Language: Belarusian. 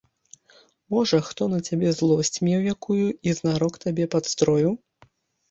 Можа, хто на цябе злосць меў якую і знарок табе падстроіў?